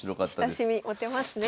親しみ持てますね。